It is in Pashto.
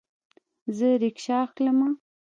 زه ریکشه اخلمه